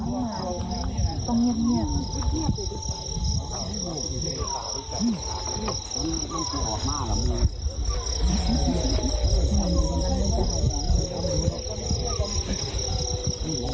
ตรงเงียบ